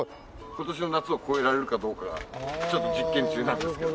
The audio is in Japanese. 今年の夏を越えられるかどうかちょっと実験中なんですけど。